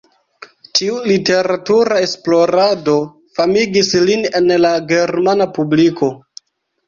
Tiu literatura esplorado famigis lin en la germana publiko.